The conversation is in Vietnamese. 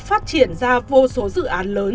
phát triển ra vô số dự án lớn